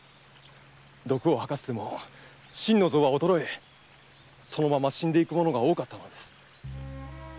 毒を吐かせても心の臓が衰えそのまま死んでいく者が多かったのです。